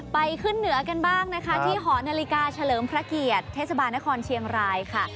ขึ้นเหนือกันบ้างนะคะที่หอนาฬิกาเฉลิมพระเกียรติเทศบาลนครเชียงรายค่ะ